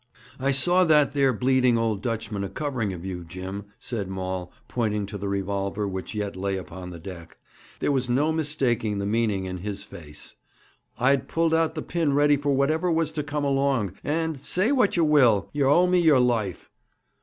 'I saw that there bleeding old Dutchman a covering of you, Jim,' said Maul, pointing to the revolver which yet lay upon the deck. 'There was no mistaking the meaning in his face. I'd pulled out the pin ready for whatever was to come along, and, say what yer will, yer owe me your life.'